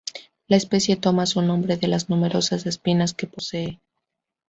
La especie toma su nombre de las numerosas espinas que posee.